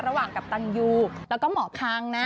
ระหว่างกัปตันยูและก็หมอคังนะ